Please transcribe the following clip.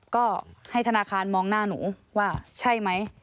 ก็ให้ธนาคารมองหน้าหนูว่าใช่ไหม